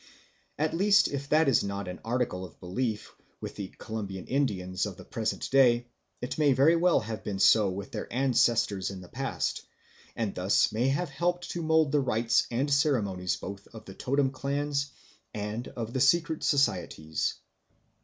At least if that is not an article of belief with the Columbian Indians of the present day, it may very well have been so with their ancestors in the past, and thus may have helped to mould the rites and ceremonies both of the totem clans and of the secret societies.